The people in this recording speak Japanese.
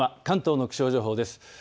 関東の気象情報です。